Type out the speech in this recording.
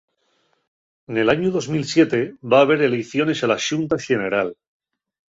Nel añu dos mil siete va haber eleiciones a la Xunta Xeneral.